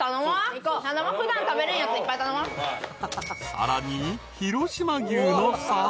［さらに］